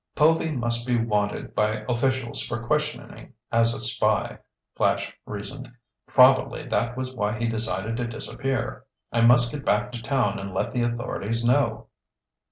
"Povy must be wanted by officials for questioning as a spy," Flash reasoned. "Probably that was why he decided to disappear. I must get back to town and let the authorities know!"